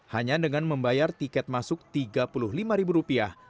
hanya dengan membayar tiket masuk rp tiga puluh lima